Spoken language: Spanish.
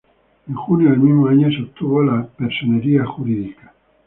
En junio del mismo año se obtuvo la personería jurídica.